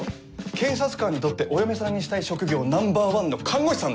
警察官にとってお嫁さんにしたい職業ナンバーワンの看護師さんだよ？